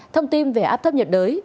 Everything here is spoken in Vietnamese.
thông tin về áp thấp nhiệt đới